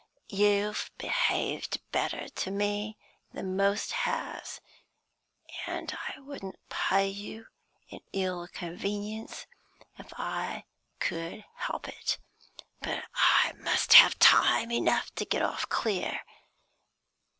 You've behaved better to me than most has, and I wouldn't pay you in ill convenience, if I could help it. But I must have time enough to get off clear.